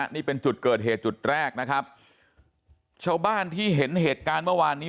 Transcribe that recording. นี่เป็นจุดเกิดเหตุจุดแรกนะครับชาวบ้านที่เห็นเหตุการณ์เมื่อวานนี้